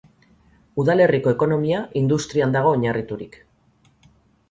Udalerriko ekonomia industrian dago oinarriturik.